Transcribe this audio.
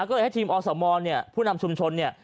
ก็เลยให้ทีมอสมเนี่ยผู้นำชุมชนเนี่ย